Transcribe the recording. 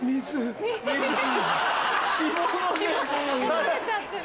干されちゃってる。